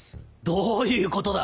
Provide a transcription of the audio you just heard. どういうことだ！